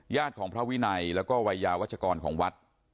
ของพระวินัยแล้วก็วัยยาวัชกรของวัด